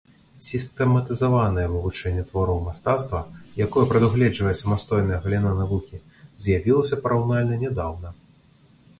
Сістэматызаванае вывучэнне твораў мастацтва, якое прадугледжвае самастойная галіна навукі, з'явілася параўнальна нядаўна.